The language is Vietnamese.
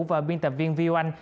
và biên tập viên viu anh